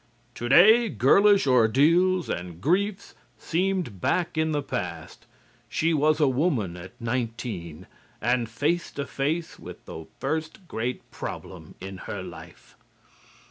"TODAY GIRLISH ORDEALS AND GRIEFS SEEMED BACK IN THE PAST: SHE WAS A WOMAN AT NINETEEN AND FACE TO FACE WITH THE FIRST GREAT PROBLEM IN HER LIFE."